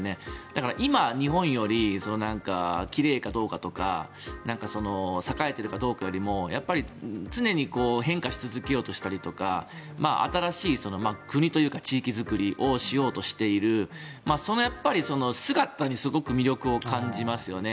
だから、今、日本より奇麗かどうかとか栄えているかどうかよりも常に変化し続けようとしたりとか新しい国というか地域作りをしようとしているその姿にすごく魅力を感じますよね。